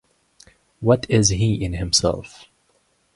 What is he in himself?